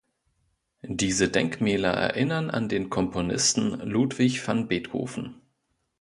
Diese Denkmäler erinnern an den Komponisten Ludwig van Beethoven.